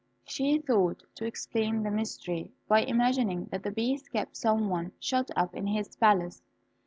She thought to explain the mystery by imagining that the Beast kept some one shut up in his palace.